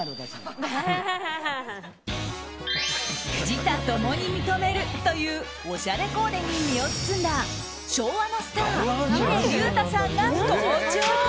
自他共に認めるというおしゃれコーデに身を包んだ昭和のスター、峰竜太さんが登場。